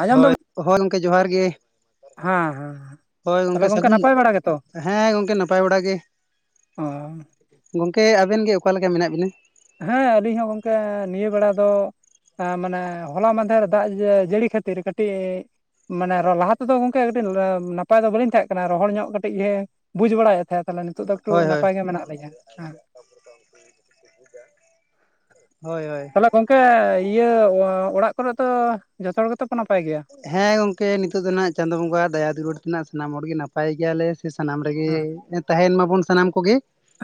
ᱟᱸᱡᱚᱢ ᱦᱳᱭ ᱫᱟᱵᱤᱱ ᱦᱳᱭ ᱜᱚᱝᱠᱮ ᱡᱚᱦᱟᱨ ᱜᱮ ᱦᱮᱸ ᱦᱮᱸ ᱾ ᱦᱳᱭ ᱛᱟᱦᱚᱞᱮ ᱜᱚᱝᱠᱮ ᱥᱟᱹᱜᱩᱱ ᱱᱟᱯᱟᱭ ᱵᱟᱲᱟ ᱜᱮᱛᱚ ᱦᱮᱸ ᱜᱚᱢᱠᱮ ᱱᱟᱯᱟᱭ ᱵᱟᱲ ᱜᱮᱻ ᱟ ᱜᱚᱝᱠᱮ ᱟᱵᱮᱱ ᱜᱮ ᱚᱠᱟᱞ ᱞᱮᱠᱟ ᱢᱮᱱᱟᱜ ᱵᱤᱱᱟ ᱦᱮᱸ ᱟᱹᱞᱤᱧ ᱦᱚᱸ ᱜᱚᱝᱠᱮ ᱱᱤᱭᱟᱹ ᱵᱮᱲᱟ ᱫᱚᱻ ᱦᱮᱸ ᱢᱟᱱᱮ ᱦᱚᱞᱟ ᱢᱟᱦᱫᱷᱮᱨ ᱫᱟᱜ ᱡᱟᱹᱲᱤ ᱠᱷᱟᱹᱛᱤᱨ ᱠᱟᱹᱴᱤᱡ ᱢᱟᱱᱮ ᱞᱟᱦᱟ ᱛᱮᱫᱚ ᱜᱚᱢᱠᱮ ᱠᱟᱹᱴᱤᱡ ᱱᱟᱯᱟᱭ ᱫᱚ ᱵᱟᱹᱞᱤᱧ ᱛᱟᱦᱮᱸ ᱠᱟᱱᱟ ᱨᱚᱦᱚᱲ ᱧᱚᱜ ᱠᱟᱹᱴᱤᱡ ᱜᱮᱻ ᱵᱩᱡ ᱵᱟᱲᱟᱭᱮᱫ ᱛᱟᱦᱮᱸᱮ ᱱᱤᱛ ᱫᱚ ᱮᱠᱴᱩ ᱦᱳᱭ ᱦᱳᱭ ᱱᱟᱯᱟᱭ ᱜᱮ ᱢᱮᱱᱟᱜ ᱞᱤᱧᱟᱹ ᱦᱮᱸ ᱦᱳᱭ ᱦᱳᱭ ᱛᱟᱦᱚᱞᱮ ᱜᱚᱝᱠᱮ ᱤᱭᱟᱹ ᱚᱲᱟᱜ ᱠᱚᱨᱮ ᱫᱚ ᱡᱚᱛᱚ ᱦᱚᱲ ᱜᱮᱛ ᱠᱚ ᱱᱟᱯᱟᱭ ᱜᱮᱭᱟ? ᱦᱮᱸ ᱜᱚᱝᱠᱮ ᱱᱤᱛᱚᱜ ᱫᱚ ᱱᱟᱜ ᱪᱟᱸᱫᱫᱚ ᱵᱚᱸᱜᱟ ᱫᱟᱭᱟ ᱫᱩᱨᱟᱹᱲ ᱛᱮ ᱱᱟᱜ ᱥᱟᱱᱟᱢ ᱦᱚᱲᱜ ᱜᱮ ᱱᱟᱯᱟᱭ ᱜᱮᱭᱟᱞᱮ᱾ ᱥᱟᱱᱟᱢ ᱨᱮᱜᱮ ᱦᱮᱸ ᱛᱟᱦᱮᱱ ᱢᱟᱵᱚᱱ ᱥᱟᱱᱟᱢ ᱠᱚᱜᱮ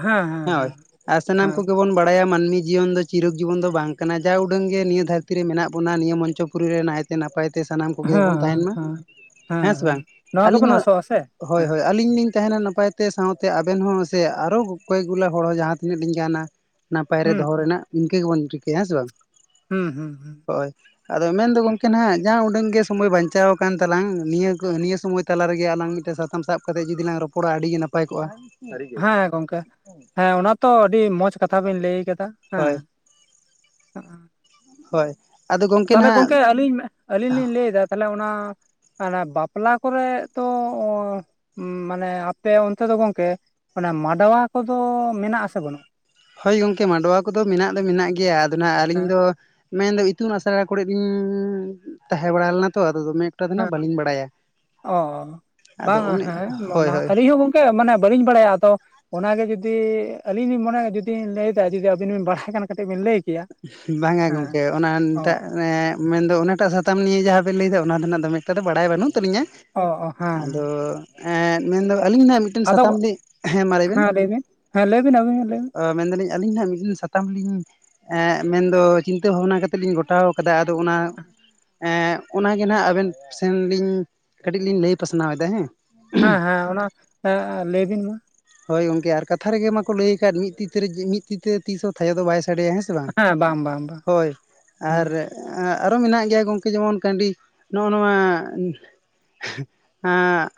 ᱦᱮᱸ ᱦᱮᱸ ᱦᱳᱭ ᱦᱮᱸ ᱟᱨ ᱥᱟᱱᱟᱢ ᱠᱚᱜᱮ ᱵᱚᱱ ᱵᱟᱲᱟ ᱵᱟᱲᱟᱭᱟ ᱢᱟᱹᱱᱢᱤ ᱡᱤᱭᱚᱱ ᱫᱚ ᱪᱤᱨᱚᱠ ᱡᱤᱵᱚᱱ ᱫᱚ ᱵᱟᱝ ᱠᱟᱱᱟ ᱡᱟ ᱩᱰᱟᱹᱝᱜ ᱜᱮ ᱱᱤᱭᱟᱹ ᱫᱷᱟᱹᱨᱛᱤ ᱨᱮ ᱢᱮᱱᱟᱜ ᱵᱚᱱᱟ ᱱᱤᱭᱟᱹ ᱢᱚᱧᱪᱚᱯᱩᱨᱤ ᱨᱮ ᱱᱟᱭᱛᱮ ᱱᱟᱯᱟᱭ ᱛᱮ ᱛᱮ ᱥᱟᱱᱟᱢ ᱠᱚᱜᱮ ᱦᱮᱸ ᱵᱚᱱ ᱦᱮᱸ ᱛᱟᱦᱮᱱ ᱢᱟ ᱦᱮᱸ ᱦᱮᱸ ᱥᱮ ᱵᱟᱝ ᱱᱚᱣᱟ ᱟᱹᱞᱤᱧ ᱜᱮᱵᱚᱱ ᱦᱚᱸ ᱟᱥᱚᱜᱼᱟ ᱥᱮ ᱦᱳᱭ ᱦᱮᱸ ᱦᱳᱭ ᱟᱹᱞᱤᱧ ᱞᱤᱧ ᱛᱟᱦᱮᱱᱟ ᱱᱟᱯᱟᱭᱛᱮ ᱥᱟᱶᱛᱮ ᱟᱵᱮᱱ ᱦᱚᱸ ᱥᱮ ᱟᱨᱚ ᱠᱚᱭᱠ ᱜᱩᱞᱟ ᱦᱚᱲ ᱦᱚᱸ ᱡᱟᱦᱟᱸ ᱛᱤᱱᱟᱹᱜ ᱞᱤᱧ ᱜᱟᱱᱟ᱾ ᱱᱟᱯᱟᱭ ᱨᱮ ᱦᱩᱸ ᱫᱚᱦᱚ ᱨᱮᱱᱟᱜ ᱤᱱᱠᱟᱹ ᱜᱮᱵᱚᱱ ᱨᱤᱠᱟᱹᱭᱟ ᱦᱮᱸ ᱥᱮ ᱵᱟᱝ ᱦᱩᱸ ᱦᱩᱸ ᱦᱩᱸ ᱦᱳᱭ ᱟᱫᱚ ᱢᱮᱱᱫᱚ ᱜᱚᱝᱠᱮ ᱦᱟᱜ ᱡᱟᱦᱟᱸ ᱩᱰᱟᱹᱝ ᱜᱮ ᱥᱚᱢᱳᱚᱭ ᱵᱟᱧᱪᱟᱣ ᱟᱠᱟᱱ ᱛᱟᱞᱟᱝᱼᱟ ᱱᱤᱭᱟᱹ ᱱᱤᱭᱟᱹ ᱥᱚᱢᱚᱭ ᱛᱟᱨ ᱨᱮᱜᱮ ᱟᱞᱟᱝ ᱢᱤᱫᱴᱮᱱ ᱥᱟᱛᱟᱢ ᱥᱟᱵ ᱠᱟᱛᱮᱫ ᱡᱩᱫᱤᱞᱟᱝ ᱨᱚᱯᱚᱲᱟᱼᱟ᱾ ᱯᱚᱲᱟᱜ ᱟᱹᱰᱤᱜᱮ ᱱᱟᱯᱟᱭ ᱠᱚᱜᱼᱟ᱾ ᱦᱮᱸ ᱜᱚᱝᱠᱮ ᱦᱮᱸ ᱚᱱᱟ ᱛᱚ ᱟᱹᱰᱤ ᱢᱚᱸᱡᱽ ᱠᱟᱛᱷᱟ ᱵᱮᱤᱱ ᱞᱟᱹᱭ ᱠᱟᱫᱟ ᱦᱮᱸ ᱦᱳᱭ ᱚ ᱦᱳᱭ ᱟᱫᱚ ᱜᱚᱝᱠᱮ ᱛᱟᱦᱚᱞᱮ ᱱᱟᱦᱟᱜ ᱜᱚᱢᱠᱮ ᱟᱹᱞᱤᱧ ᱟᱹᱞᱤᱧ ᱞᱤᱧ ᱞᱟᱹᱭ ᱫᱟ ᱛᱟᱦᱚᱞᱮ ᱚᱱᱟ ᱦᱚ ᱵᱟᱯᱞᱟ ᱠᱚᱨᱮ ᱛᱚ ᱢᱟᱱᱮ ᱟᱯᱮ ᱚᱱᱛᱮ ᱫᱚ ᱜᱚᱝᱠᱮ ᱚᱱᱟ ᱢᱟᱰᱣᱟ ᱠᱚᱫᱚ ᱢᱮᱱᱟᱜ ᱟᱥᱮ ᱵᱟᱹᱱᱩᱜᱼᱟ? ᱦᱳᱭ ᱜᱚᱢᱠᱮ ᱢᱟᱰᱣᱟ ᱠᱚᱫᱚ ᱢᱮᱱᱟᱜ ᱫᱚ ᱢᱮᱱᱟᱜ ᱜᱮᱭᱟ ᱟᱫᱚ ᱱᱟᱜ ᱟᱹᱞᱤᱧ ᱫᱚ ᱢᱮᱱᱫᱚ ᱤᱛᱩᱱ ᱟᱥᱲᱟ ᱠᱚᱨᱮᱫ ᱞᱤᱧ ᱛᱟᱦᱮᱸ ᱵᱟᱲᱟ ᱞᱮᱱᱟ ᱛᱚ ᱟᱫᱚ ᱫᱚᱢᱮ ᱮᱠᱴᱟ ᱫᱚ ᱱᱟᱜ ᱦᱮᱸ ᱵᱟᱹᱞᱤᱧ ᱵᱟᱲᱟᱭᱟ ᱚ ᱟᱫᱚ ᱵᱟᱝᱼᱟ ᱚᱱᱮ ᱦᱮᱸ ᱦᱳᱭ ᱚᱱᱟ ᱦᱳᱭ ᱟᱞᱤᱧ ᱜᱟᱝ ᱼᱼ ᱠᱮ ᱢᱟᱱᱮ ᱵᱟᱹᱞᱤᱧ ᱵᱟᱲᱟᱭᱟ ᱛᱚ ᱚᱱᱟᱜᱮ ᱡᱩᱫᱤ ᱟᱹᱞᱤᱧ ᱞᱤᱧ ᱢᱚᱱᱮᱭ ᱫᱟ ᱡᱩᱫᱤᱧ ᱞᱟᱹᱭᱟ ᱡᱩᱫᱤ ᱟᱹᱵᱤᱱ ᱵᱤᱱ ᱵᱟᱲᱟᱭ ᱠᱷᱟᱱ ᱠᱟᱹᱴᱤᱡ ᱵᱤᱱ ᱞᱟᱹᱭ ᱠᱮᱭᱟ ᱵᱟᱝᱼᱟ ᱦᱮᱸ ᱜᱚᱝᱠᱮ ᱚᱱᱟ ᱚ ᱩᱱᱴᱟ ᱱᱮ ᱢᱮᱱᱫᱚ ᱚᱱᱟᱴᱟᱜ ᱥᱟᱛᱟᱢ ᱱᱤᱭᱮ ᱡᱟᱦᱟᱸ ᱵᱮᱱ ᱞᱟᱹᱭ ᱫᱟ ᱱᱟᱜ ᱫᱚᱢᱮᱠᱴᱟ ᱫᱚ ᱵᱟᱲᱟᱭ ᱵᱟᱹᱱᱩᱜ ᱛᱟᱹᱞᱤᱧᱟ᱾ ᱚ ᱦᱮᱸ ᱦᱮᱸ ᱟᱫᱚ ᱮᱸᱜ ᱢᱮᱱᱫᱚ ᱟᱹᱞᱤᱧ ᱱᱟᱜ ᱢᱤᱫᱴᱮᱱ ᱟᱫᱚ ᱥᱟᱛᱟᱢ ᱞᱤᱧ ᱦᱮᱸ ᱢᱟ ᱞᱮᱭ ᱵᱮᱱ ᱞᱟᱹᱭ ᱵᱤᱱ ᱦᱮᱸ ᱞᱟᱹᱭ ᱵᱤᱱ ᱟᱹᱵᱤᱱ ᱞᱟᱹᱭ ᱵᱤᱱ ᱢᱮᱱ ᱮᱫᱟᱞᱤᱧ ᱟᱹᱞᱤᱧ ᱱᱟᱦᱟᱜ ᱢᱤᱫ ᱫᱤᱱ ᱥᱟᱛᱟᱢ ᱞᱤᱧ ᱢᱮᱱᱫᱚ ᱪᱤᱱᱛᱟᱹ ᱵᱷᱟᱵᱱᱟ ᱠᱟᱛᱮᱛᱮ ᱞᱤᱧ ᱜᱚᱴᱟᱣ ᱟᱫᱟ ᱟᱫᱚ ᱚᱱᱟ ᱮᱸᱜ ᱚᱱᱟᱜᱮ ᱱᱟᱦᱟᱜ ᱟᱵᱮᱱ ᱥᱮᱱᱞᱤᱧ ᱠᱟᱹᱴᱤᱡ ᱞᱤᱧ ᱞᱟᱹᱭ ᱯᱟᱥᱱᱟᱣ ᱮᱫᱟ ᱦᱮᱸ᱾ ᱦᱮᱸ ᱦᱮᱸ ᱚᱱᱟ ᱞᱟᱹᱭ ᱵᱤᱱ ᱢᱟ ᱦᱳᱭ ᱜᱚᱝᱠᱮ ᱟᱨ ᱠᱟᱛᱷᱟ ᱨᱮᱜᱮ ᱢᱟᱠᱚ ᱞᱟᱹᱭ ᱟᱠᱟᱫ ᱢᱤᱫ ᱛᱤ ᱢᱤᱫ ᱛᱤ ᱛᱮ ᱛᱤᱥ ᱦᱚᱸ ᱷᱟᱭᱚ ᱫᱚ ᱵᱟᱭ ᱥᱟᱰᱮᱭᱟ ᱦᱮᱸ ᱥᱮ᱾ ᱥᱮ ᱵᱟᱝ ᱦᱳᱭ ᱟᱨ ᱦᱮᱸ ᱟᱨᱚ ᱢᱮᱱᱟᱜ ᱜᱮᱭᱟ ᱜᱚᱝᱠᱮ ᱡᱮᱢᱚᱱ ᱠᱟᱺᱰᱤ ᱱᱚᱜᱼᱚ ᱱᱚᱣᱟ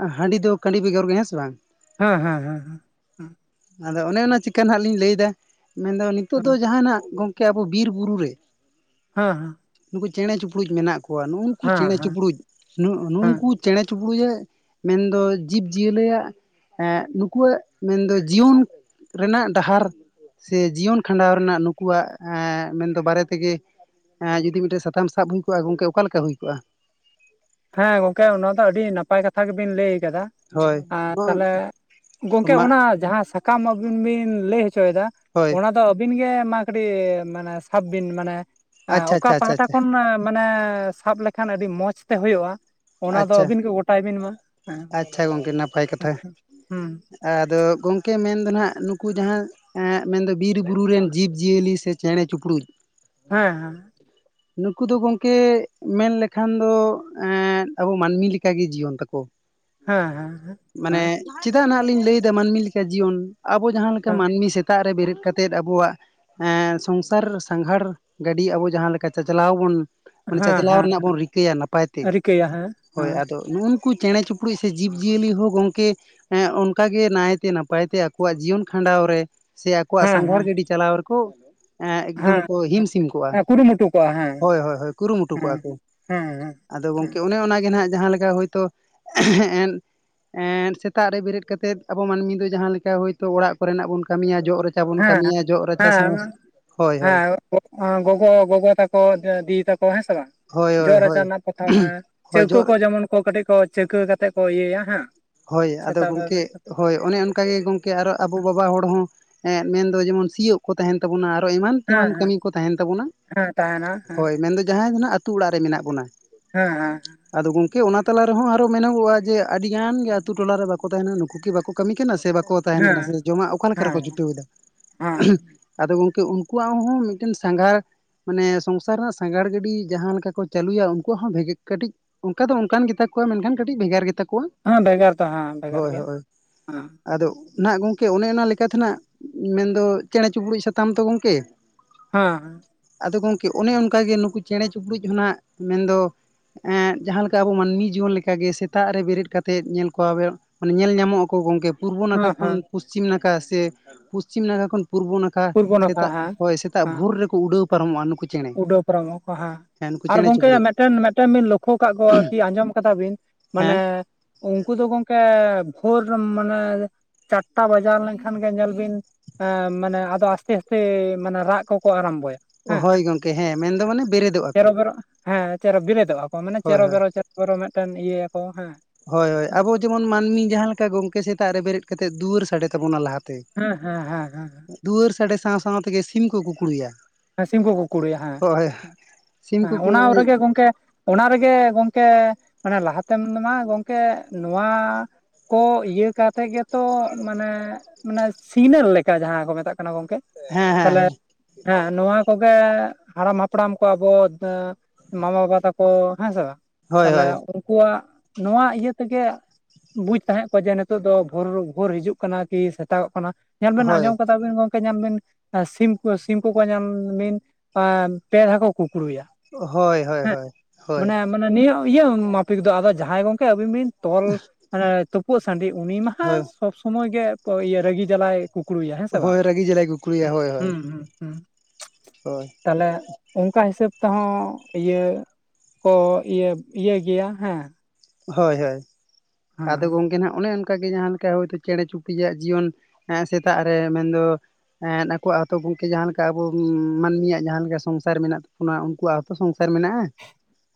ᱟᱸᱜ ᱦᱟᱺᱰᱤ ᱫᱚ ᱠᱟᱺᱰᱤ ᱵᱮᱜᱚᱨ ᱜᱮ ᱦᱮᱸ ᱥᱮ ᱵᱟᱝ᱾ ᱦᱮᱸ ᱦᱮᱸ ᱦᱮᱸ ᱦᱮᱸ ᱟᱫᱚ ᱚᱱᱮ ᱚᱱᱟ ᱪᱤᱠᱟᱹ ᱱᱟᱸᱦᱜ ᱞᱤᱧ ᱞᱟᱹᱭᱫᱟ ᱢᱮᱱᱫᱚ ᱱᱤᱛᱚᱜ ᱦᱮᱸ ᱫᱚ ᱡᱟᱦ ᱦᱜ ᱜᱚᱝᱠᱮ ᱟᱵᱚ ᱵᱤᱨ ᱵᱩᱨᱩ ᱨᱮ ᱦᱮᱸ ᱦᱮᱸ ᱱᱩᱠᱩ ᱪᱮᱬᱮ ᱪᱤᱯᱲᱩᱡ ᱢᱮᱱᱟᱜ ᱠᱚᱣᱟ ᱱᱩᱜᱩ ᱱᱠᱩ ᱦᱮᱸ ᱪᱮᱬᱮ ᱦᱮᱸ ᱪᱩᱯᱲᱩᱡ ᱦᱮᱸ ᱪᱮᱬᱮ ᱪᱩᱯᱲᱩᱡ ᱢᱮᱱᱫᱚ ᱡᱤᱵᱽ ᱡᱤᱭᱟᱹᱞᱤᱭᱟᱜ ᱱᱠᱩᱣᱟᱜ ᱢᱮᱱᱫᱚ ᱡᱤᱭᱚᱱ ᱨᱮᱱᱟᱜ ᱰᱟᱦᱟᱨ ᱥᱮ ᱡᱤᱭᱚᱱ ᱠᱷᱟᱸᱰᱟᱣ ᱨᱮᱱᱟᱜ ᱱᱩᱠᱩᱣᱟᱜ ᱢᱮᱱᱫᱚ ᱵᱟᱨᱮ ᱛᱮᱜᱮ ᱮᱸ ᱡᱩᱫᱤ ᱢᱤᱫᱴᱟᱝ ᱥᱟᱛᱟᱢ ᱥᱟᱵ ᱦᱩᱭ ᱠᱚᱜᱼᱟ ᱜᱚᱝᱠᱮ ᱚᱠᱟ ᱞᱮᱠᱟ ᱦᱩᱭ ᱠᱚᱜᱼᱟ? ᱦᱮᱸ ᱜᱚᱝᱠᱮ ᱚᱱᱟ ᱫᱚ ᱟᱹᱰᱤ ᱱᱟᱯᱟᱭ ᱠᱟᱛᱷᱟ ᱜᱮᱵᱤᱱ ᱞᱟᱹᱭ ᱠᱟᱫᱟ᱾ ᱦᱳᱭ ᱟᱨ ᱛᱟᱦᱚᱞᱮ ᱜᱚᱝᱠᱮ ᱢᱟ ᱚᱱᱟ ᱡᱟᱦᱟᱸ ᱥᱟᱛᱟᱢ ᱥᱟᱠᱟᱢ ᱟᱹᱵᱤᱱ ᱵᱤᱱ ᱞᱟᱹᱭ ᱦᱚᱪᱚᱭᱮᱫᱟ, ᱦᱳᱭ ᱚᱱᱟ ᱟᱫᱚ ᱟᱹᱵᱤᱱ ᱜᱮ ᱢᱟ ᱠᱟᱹᱴᱤᱡ ᱢᱟᱱᱮ ᱥᱟᱵ ᱵᱤᱱ ᱢᱟᱱᱮ ᱟᱪᱪᱷᱟ ᱚᱠᱟ ᱟᱪᱪᱷᱟ ᱟᱪᱪᱷᱟ ᱯᱟᱦᱴᱟ ᱟᱪᱪᱷᱟ ᱠᱷᱚᱱ ᱢᱟᱱᱮ ᱥᱟᱵ ᱞᱮᱠᱷᱟᱱ ᱟᱹᱰᱤ ᱢᱚᱸᱡᱽ ᱛᱮ ᱦᱩᱭᱩᱜᱼᱟ᱾ ᱚᱱᱟ ᱫᱚ ᱟᱪᱪᱷᱟ ᱟᱹᱵᱤᱱ ᱜᱮ ᱜᱚᱴᱟᱭ ᱵᱤᱱ ᱢᱟ ᱦᱮᱸ ᱟᱪᱪᱷᱟ ᱜᱚᱝᱠᱮ ᱱᱟᱯᱟᱭ ᱠᱟᱛᱷᱟ ᱦᱮᱸ ᱦᱩᱸ ᱟᱫᱚ ᱜᱚᱢᱠᱮ ᱢᱮᱱᱫᱚ ᱦᱟᱜ ᱱᱩᱠᱩ ᱡᱟᱦᱟᱸ ᱢᱮᱱᱫᱚ ᱵᱤᱨ ᱵᱩᱨᱩ ᱨᱮᱱ ᱡᱤᱵᱽᱡᱤᱭᱟᱹᱞᱤ ᱥᱮ ᱪᱮᱬᱮ ᱪᱤᱯᱨᱩᱫ ᱦᱮᱸ ᱦᱮᱸ ᱱᱩᱠᱩ ᱫᱚ ᱜᱚᱝᱠᱮ ᱢᱮᱱ ᱞᱮᱠᱷᱟᱱ ᱫᱚ ᱮ ᱟᱵᱚ ᱢᱟᱹᱱᱢᱤ ᱞᱮᱠᱟᱜᱮ ᱡᱤᱭᱚᱱ ᱛᱟᱠᱚ ᱦᱮᱸ ᱦᱮᱸᱮᱸ ᱢᱟᱱᱮ ᱪᱮᱫᱟᱜ ᱟᱜ ᱞᱤᱧ ᱞᱟᱹᱭᱫᱟ ᱢᱟᱹᱱᱢᱤ ᱞᱮᱠᱟ ᱡᱤᱭᱚᱱ ᱟᱵᱚ ᱡᱟᱦᱟᱸ ᱞᱮᱠᱟ ᱦᱮᱸ ᱢᱟᱹᱱᱢᱤ ᱥᱮᱛᱟᱜ ᱨᱮ ᱵᱮᱨᱮᱫ ᱠᱟᱛᱮ ᱠᱟᱛᱮᱫ ᱠᱟᱛᱮᱫ ᱟᱵᱚᱣᱟᱜ ᱮᱸ ᱥᱚᱝᱥᱟᱨ ᱥᱟᱸᱜᱷᱟᱨ ᱜᱟᱹᱰᱤ ᱟᱵᱚ ᱡᱟᱦᱟᱸ ᱞᱮᱠᱟ ᱪᱟᱪᱞᱟᱣ ᱵᱚᱱ ᱢᱟᱱᱮ ᱪᱟᱪᱞᱟᱣ ᱨᱮᱱᱟᱜ ᱵᱚᱱ ᱨᱤᱠᱟᱹᱭᱟ ᱱᱟᱯᱟᱭ ᱛᱮ ᱠᱟᱹᱭᱟ ᱦᱮᱸ ᱦᱳᱭ ᱦᱮᱸ ᱟᱫᱚ ᱱᱩᱜᱼᱱᱠᱩ ᱪᱮᱬᱮ ᱪᱤᱯᱲᱩᱫ ᱥᱮ ᱡᱤᱵᱽᱡᱤᱭᱟᱹᱞᱤ ᱦᱚᱸ ᱜᱚᱝᱠᱮ ᱦᱮ ᱚᱱᱠᱟ ᱜᱮ ᱱᱟᱭᱛᱮ ᱱᱟᱯᱟᱭᱛᱮ ᱟᱠᱚᱣᱟᱜ ᱡᱤᱭᱚᱱ ᱠᱷᱟᱸᱰᱟᱣ ᱨᱮ, ᱥᱮ ᱟᱠᱚᱣᱟᱜ ᱦᱮᱸ ᱥᱟᱸᱜᱷᱟᱲ ᱦᱮᱸ ᱜᱟᱹᱰᱤ ᱪᱟᱞᱟᱣ ᱨᱮᱠᱚ ᱦᱮ ᱮᱠᱫᱚᱢ ᱦᱮᱸ ᱠᱚ ᱦᱤᱢ ᱥᱤᱢ ᱠᱚᱜᱼᱟ ᱦᱮᱸ ᱠᱩᱨᱩᱢᱩᱴᱩ ᱠᱚᱜᱼᱟ ᱦᱮᱸ ᱦᱳᱭ ᱦᱳᱭ ᱠᱩᱨᱩ ᱢᱩᱴᱩ ᱦᱮᱸ ᱠᱚᱜᱼᱟ ᱠᱚ, ᱦᱮᱸ ᱦᱮᱸ ᱟᱫᱚ ᱜᱚᱝᱠᱮ ᱚᱱᱮ ᱚᱱᱟ ᱜᱮ ᱦᱱᱟᱜ ᱡᱟᱦᱟ ᱞᱮᱠᱟ ᱦᱳᱭᱛᱳ ᱮᱱ ᱥᱮᱛᱟᱜ ᱨᱮ ᱵᱮᱨᱮᱫ ᱠᱟᱛᱮᱫ ᱟᱵᱚ ᱢᱟᱹᱱᱢᱤ ᱫᱚ ᱡᱟᱦᱟᱸᱮ ᱞᱮᱠᱟ ᱦᱳᱭᱛᱳ ᱚᱲᱟᱜ ᱠᱚᱨᱮᱱᱟᱜ ᱵᱚᱱ ᱠᱟᱹᱢᱤᱭᱟ ᱡᱚᱜ ᱨᱮᱪᱟ ᱵᱚᱱ ᱦᱮᱸ ᱠᱟᱹᱢᱤᱭᱟ ᱡᱚᱜ ᱨᱟᱪᱟ ᱥᱩᱢᱩᱜ ᱦᱳᱭ ᱚᱻ ᱜᱚᱜᱚ ᱜᱚᱜᱚ ᱛᱟᱠᱚ ᱫᱤᱫᱤ ᱛᱟᱠᱚ ᱦᱮᱸ ᱥᱮ ᱵᱟᱝ᱾ ᱦᱳᱭ ᱦᱳᱭ ᱡᱚᱜ ᱨᱟᱪᱟ ᱦᱳᱭ ᱨᱮᱱᱟᱜ ᱯᱨᱚᱛᱷᱚᱢ ᱦᱳᱭ ᱪᱟᱹᱣᱠᱟᱹ ᱡᱚᱜ ᱠᱚ ᱡᱮᱢᱚᱱ ᱠᱚ ᱠᱟᱹᱴᱤᱡ ᱠᱚ, ᱪᱟᱹᱣᱠᱟᱹ ᱠᱟᱛᱮᱫ ᱠᱚ ᱤᱭᱟᱹᱭᱟ ᱦᱮᱸ ᱦᱳᱭ ᱟᱫᱚ ᱥᱮᱛᱟᱜ ᱵᱮᱲᱟ ᱜᱚᱝᱠᱮ ᱵᱮᱨᱮᱫ ᱠᱟᱛᱮ ᱦᱳᱭ ᱚᱱᱮ ᱚᱱᱠᱟ ᱜᱮ ᱜᱚᱝᱠᱮ ᱟᱨᱚ ᱟᱵᱚ ᱵᱟᱵᱟ ᱦᱚᱲ ᱦᱚᱸ ᱢᱮᱱᱫᱚ ᱡᱮᱢᱚᱱ ᱥᱤᱭᱳᱜ ᱠᱚ ᱛᱟᱦᱮᱱ ᱛᱟᱵᱚᱱᱟ ᱟᱨᱚ ᱮᱢᱟᱱ ᱦᱮᱸ ᱛᱮᱢᱟᱱ ᱦᱮᱸ ᱠᱟᱹᱢᱤ ᱠᱚ ᱛᱟᱦᱮᱱ ᱛᱟᱵᱚᱱᱟ ᱦᱮᱸ ᱛᱟᱦᱮᱱᱟ ᱦᱮᱸ ᱦᱳᱭ ᱢᱮᱱᱫᱚ ᱡᱟᱦᱟᱸᱭ ᱫᱚ ᱦᱟᱸᱜ ᱟᱹᱛᱩᱹ ᱚᱲᱟᱜ ᱨᱮ ᱢᱮᱱᱟᱜ ᱵᱚᱱᱟ᱾ ᱦᱮᱸ ᱦᱮᱸ ᱟᱫᱚ ᱜᱚᱝᱠᱮ ᱚᱱᱟ ᱛᱟᱞᱟ ᱨᱮᱦᱚᱸ ᱟᱨᱚ ᱢᱮᱱᱚᱜᱚᱜᱼᱟ ᱡᱮ ᱟᱹᱰᱤ ᱜᱟᱱ [unintelligible] ᱟᱹᱛᱩ ᱴᱚᱞᱟ ᱨᱮ ᱵᱟᱠᱚ ᱛᱟᱦᱮᱸᱱᱟ ᱱᱩᱠᱩ ᱠᱤ ᱵᱟᱠᱚ ᱠᱟᱹᱢᱤ ᱠᱟᱱᱟ ᱥᱮ ᱵᱟᱠᱚ ᱛᱟᱦᱮᱱ ᱠᱟᱱᱟ ᱦᱮᱸ ᱥᱮ ᱡᱚᱢᱟᱜ ᱚᱠᱟ ᱞᱮᱠᱟ ᱦᱮᱸ ᱨᱮᱠᱚ ᱡᱩᱴᱟᱹᱣ ᱮᱫᱟ? ᱦᱮᱸ [unintelligible] ᱟᱫᱚ ᱜᱚᱝᱠᱮ ᱩᱱᱠᱩᱣᱟᱜ ᱦᱚᱸ ᱢᱤᱫᱴᱮᱱ ᱥᱟᱸᱜᱷᱟ ᱢᱟᱱᱮ ᱥᱚᱝᱥᱟᱨ ᱨᱮᱱᱟᱜ ᱥᱟᱸᱜᱷᱟᱨ ᱜᱟᱹᱰᱤ, ᱡᱟᱦᱟᱸ ᱞᱮᱠᱟ ᱠᱚ ᱪᱟᱹᱞᱩᱭᱟ, ᱩᱱᱠᱩᱣᱟᱜ ᱦᱚᱸ ᱵᱷᱮᱜᱮ ᱠᱟᱹᱴᱤᱡ ᱚᱱᱠᱟ ᱫᱚ ᱚᱱᱠᱟᱱ ᱜᱮᱛᱟ ᱠᱚᱣᱟ, ᱢᱮᱱᱠᱷᱟᱱ ᱠᱟᱹᱴᱤᱡ ᱵᱷᱮᱜᱟᱨ ᱜᱮᱛᱟ ᱠᱚᱣᱟ ᱦᱮᱸ ᱵᱷᱮᱜᱟᱨ ᱫᱚ ᱦᱮᱸ ᱵᱷᱮᱜᱟᱨ ᱦᱳᱭ ᱜᱮᱭᱟ ᱦᱳᱭ᱾ ᱦᱮᱸ ᱟᱫᱚ ᱚᱱᱟᱜ ᱜᱚᱝᱠᱮ ᱚᱱᱮ ᱚᱱᱟ ᱞᱮᱠᱟᱛᱮ ᱛᱮᱱᱟᱜ ᱢᱮᱱᱫᱚ ᱪᱮᱬᱮ ᱪᱤᱯᱲᱩᱫ ᱥᱟᱛᱟᱢ ᱛᱚ ᱜᱚᱝᱠᱮ ᱦᱮᱸ ᱦᱮᱸ ᱟᱫᱚ ᱜᱚᱝᱠᱮ ᱚᱱᱮ ᱚᱱᱠᱟᱜᱮ ᱱᱩᱠᱩ ᱪᱮᱬᱮ ᱪᱤᱯᱲᱩᱫ ᱦᱱᱟᱜ ᱢᱮᱱᱫᱚ ᱮᱸ ᱡᱟᱦᱟ ᱞᱮᱠᱟ ᱟᱵᱚ ᱢᱟᱹᱱᱢᱤ ᱡᱤᱭᱚᱱ ᱞᱮᱠᱟᱜᱮ ᱥᱮᱛᱟᱜ ᱨᱮ ᱵᱮᱨᱮᱫ ᱠᱟᱛᱮᱜ ᱧᱮᱞ [unintelligible] ᱢᱟᱱᱮ ᱧᱮᱞ ᱧᱟᱢᱚᱜ ᱟᱠᱚ ᱜᱚᱝᱠᱮ ᱯᱩᱨᱵᱚ ᱱᱟᱠᱷᱟ ᱦᱮᱸ ᱠᱷᱚᱱ ᱦᱮᱸ ᱯᱚᱥᱪᱤᱢ ᱱᱟᱠᱷᱟ, ᱥᱮ ᱯᱚᱥᱪᱤᱢ ᱱᱟᱠᱷᱟ ᱠᱷᱚᱱ, ᱯᱩᱨᱵᱚ ᱱᱟᱠᱷᱟ ᱯᱩᱨᱵᱚ ᱱᱟᱠᱷᱟ ᱥᱮᱛᱟᱜ ᱦᱮᱸ ᱦᱳᱭ ᱥᱮᱛᱟᱜ ᱵᱷᱳᱨ ᱨᱮ ᱩᱰᱟᱹᱣ ᱯᱟᱨᱚᱢᱚᱜᱼᱟ ᱱᱩᱠᱩ ᱩᱰᱟᱣ ᱯᱟᱨᱚᱢᱟᱠᱚ ᱦᱟᱸ ᱦᱮᱸ ᱱᱩᱠᱩ ᱟᱨ ᱪᱮᱬᱮ ᱜᱚᱝᱠᱮ ᱪᱩᱯᱲᱩᱡ ᱢᱮᱫᱴᱮᱱ ᱢᱮᱫᱴᱮᱱ ᱵᱤᱱ ᱞᱚᱠᱷᱚ ᱟᱠᱟᱫ ᱠᱚᱣᱟ ᱠᱤ ᱟᱸᱡᱚᱢ ᱠᱟᱫᱟ ᱵᱤᱱ ᱦᱮᱸ ᱾ᱢᱟᱱᱮ ᱩᱱᱠᱩ ᱫᱚ ᱜᱚᱝᱠᱮ ᱵᱷᱳᱨ ᱢᱟᱱᱮ ᱪᱟᱨᱴᱟ ᱵᱟᱡᱟᱣ ᱞᱮᱱᱠᱷᱟᱱ ᱜᱮ ᱧᱮᱞ ᱵᱤᱱ ᱮᱸᱻ ᱢᱟᱱᱮ ᱟᱫᱚ ᱟᱥᱛᱮ ᱟᱥᱛᱮ ᱢᱟᱱᱮ ᱨᱟᱜ ᱠᱚᱠᱚ ᱟᱨᱟᱢᱵᱚᱭᱟ᱾ ᱚᱳᱭ ᱜᱚᱝᱠᱮ ᱦᱮᱸ ᱢᱮᱱᱫᱚ ᱢᱟᱱᱮ ᱵᱮᱨᱮᱫ ᱪᱮᱨᱚᱵᱮᱨᱚᱜ ᱦᱮᱸ ᱪᱮᱨᱚ ᱵᱤᱨᱮᱫᱚᱜᱼᱟ ᱠᱚ ᱢᱟᱱᱮ ᱦᱳᱭ ᱦᱳᱭ ᱪᱮᱨᱚᱵᱮᱨᱚ ᱪᱮᱨᱚᱵᱮᱨᱚ ᱢᱤᱫᱴᱮᱱ ᱤᱭᱟᱹᱭᱟᱠᱚ ᱦᱮᱸ ᱦᱳᱭ ᱦᱳᱭ ᱦᱮᱸ ᱟᱵᱚ ᱡᱮᱢᱚᱱ ᱢᱟᱹᱱᱢᱤ ᱡ ᱦᱚᱭ ᱦᱚᱭ ᱟᱵᱚ ᱡᱮᱢᱚᱱ ᱢᱟᱱᱢᱤ ᱡᱟᱦᱟ ᱞᱮᱠᱟ ᱤᱮᱛᱟᱜ ᱨᱮ ᱵᱮᱨᱮᱫ ᱠᱟᱛᱮ ᱫᱩᱣᱟᱨ ᱥᱟᱲᱮ ᱛᱟᱠᱚᱱ ᱞᱮ ᱠᱟᱛᱮᱮᱫ ᱫᱩᱣᱟᱹᱨ ᱥᱟᱰᱮ ᱛᱟᱵᱚᱱᱟ ᱞᱟᱦᱟᱛᱮ ᱦᱮᱸ ᱦᱮᱸ ᱦᱮᱸ ᱦᱮᱸ ᱫᱩᱣᱟᱹᱨ ᱥᱟᱲᱮ ᱥᱟᱶ ᱥᱟᱶᱛᱮᱜᱮ ᱥᱤᱢ ᱠᱚᱠᱚ ᱠᱩᱠᱲᱩᱭᱟ᱾ ᱦᱮᱸ ᱥᱤᱢ ᱠᱚᱠᱚ ᱠᱩᱲᱩᱭᱟ ᱦᱮᱸ ᱦᱳᱭ ᱥᱤᱢ ᱠᱚ ᱦᱮᱸ, ᱚᱱᱟ ᱨᱮᱜᱮ ᱜᱚᱝᱠᱮ ᱚᱱᱟ ᱨᱮᱜᱮ ᱜᱚᱝᱠᱮ, ᱢᱟᱱᱮ ᱞᱟᱦᱟ ᱛᱮᱢ ᱢᱟ ᱜᱚᱝᱠᱮ ᱱᱚᱣᱟ ᱠᱚ ᱤᱭᱟᱹ ᱠᱟᱛᱮ ᱜᱮᱛᱚ ᱢᱟᱱᱮᱻ ᱢᱟᱱᱮ ᱥᱤᱱᱟ ᱞᱮᱠᱟ ᱡᱟᱦᱟᱸ ᱠᱚ ᱢᱮᱛᱟᱜ ᱠᱟᱱᱟ ᱜᱚᱝᱠᱮ-᱾ ᱦᱮᱸ ᱦᱮᱸ ᱛᱟᱦᱞᱮ ᱦᱮᱸ ᱦᱮᱸ ᱱᱚᱣᱟ ᱠᱚᱜᱮ ᱦᱟᱲᱟᱢ ᱦᱟᱯᱲᱟᱢ ᱠᱚ ᱟᱵᱚ ᱢᱟᱢᱟ ᱵᱟᱵᱟ ᱛᱟᱠᱚ ᱦᱮᱸ ᱥᱮ ᱵᱟᱝ ᱦᱳᱭ ᱛᱟᱞᱦᱮ ᱦᱳᱭ ᱩᱱᱠᱩᱣᱟᱜ ᱱᱚᱣᱟ ᱤᱭᱟᱹ ᱛᱮᱜᱮ ᱵᱩᱡ ᱛᱟᱦᱮᱸᱜ ᱟᱠᱚ ᱡᱮ ᱱᱤᱛᱜ ᱫᱚ ᱵᱷᱳᱨ ᱵᱷᱳᱨ ᱦᱤᱡᱩᱜ ᱠᱟᱱᱟ ᱠᱤ ᱥᱮᱛᱟᱜᱼᱚᱜ ᱠᱟᱱᱟ ᱧᱮᱞ ᱵᱮᱱ ᱦᱳᱭ ᱟᱸᱡᱚᱢ ᱠᱟᱫᱟ ᱵᱮᱱ ᱜᱚᱢᱠᱮ ᱧᱮᱞ ᱵᱮᱱ ᱥᱤᱢ ᱥᱤᱢ ᱠᱚᱠᱚ ᱧᱟᱢᱤᱱ ᱯᱮ ᱫᱷᱟᱶ ᱠᱚ ᱠᱩᱠᱲᱩᱭᱟ ᱦᱳᱭ ᱦᱳᱭ ᱦᱮᱸ ᱦᱳᱭ ᱢᱟᱱᱮ ᱦᱳᱭ ᱢᱟᱱᱮ ᱱᱤᱭᱟᱹ ᱤᱭᱟᱹ ᱢᱟᱯᱤᱠ ᱫᱚ ᱟᱫᱚ ᱡᱟᱦᱟᱸᱭ ᱜᱚᱝᱠᱮ ᱟᱹᱵᱤᱱ ᱵᱤᱱ ᱛᱚᱞ ᱟᱱᱮ ᱛᱩᱯᱳᱜ ᱥᱟᱺᱰᱤ ᱩᱱᱤ ᱢᱟ ᱦᱟᱸᱜ ᱦᱳᱭ ᱥᱚᱵᱽ ᱥᱚᱢᱚᱭ ᱜᱮ ᱠᱚ ᱤᱭᱟᱹ ᱨᱟᱹᱜᱤ ᱡᱟᱞᱟᱭ ᱠᱩᱠᱲᱩᱭᱟ ᱦᱮᱸ ᱥᱮ ᱵᱟᱝ ᱦᱳᱭ ᱨᱟᱹᱜᱤ ᱡᱟᱞᱟᱭ ᱠᱩᱠᱲᱩᱭᱟ ᱦᱳᱭ ᱦᱳᱭ ᱦᱩᱸ ᱦᱳᱭ ᱛᱟᱞᱦᱮ ᱚᱝᱠᱟ ᱦᱤᱥᱟᱹᱵ ᱛᱮᱦᱚᱸ ᱤᱭᱟᱹ ᱠᱚ ᱤᱭᱟᱹ ᱤᱭᱟᱹᱭ ᱜᱮᱭᱟ ᱦᱮᱸ ᱦᱳᱭ ᱦᱳᱭ ᱟᱫᱚ ᱦᱮᱸ ᱜᱚᱝᱠᱮ ᱱᱟᱦᱜ ᱚᱱᱮ ᱚᱱᱠᱟ ᱜᱮ ᱡᱟᱦᱟᱸ ᱞᱮᱠᱟ ᱦᱳᱭ ᱛᱚ ᱪᱮᱸᱬᱮ ᱪᱩᱯᱲᱤᱡ ᱟᱜ ᱡᱤᱭᱚᱱ ᱥᱮᱛᱟᱜ ᱨᱮ ᱢᱮᱱᱫᱚ ᱟᱠᱚᱣᱟᱜ ᱦᱚᱸᱛᱚ ᱜᱚᱝᱠᱮ ᱡᱟᱦᱟᱸ ᱞᱮᱠᱟ ᱟᱵᱚ ᱢᱟᱹᱱᱢᱤᱭᱟᱜ ᱡᱟᱦᱟᱸ ᱞᱮᱠᱟ ᱥᱚᱝᱥᱟᱨ ᱢᱮᱱᱟᱜ ᱛᱟᱵᱚᱱᱟ ᱩᱱᱠᱩᱣᱟᱜ ᱛᱚ ᱥᱚᱝᱥᱟᱨ ᱢᱮᱱᱟᱜᱼᱟ